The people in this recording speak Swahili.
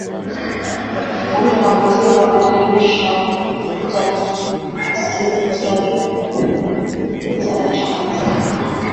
Ngombe wa maziwa wanaonyonyesha hupunguza kasi ya kuzalisha maziwa